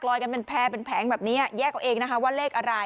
ลอยกันเป็นแผงแบบนี้แยกเอาเองนะคะว่าเลขอะไร